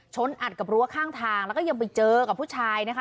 อัดกับรั้วข้างทางแล้วก็ยังไปเจอกับผู้ชายนะคะ